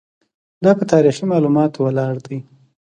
دا په تاریخي معلوماتو ولاړ دی.